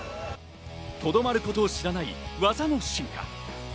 とどまることを知らない技の進化。